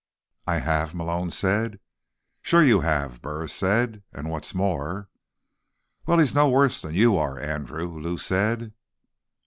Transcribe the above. "I have?" Malone said. "Sure you have," Burris said. "And, what's more—" "Well, he's no worse than you are, Andrew," Lou said.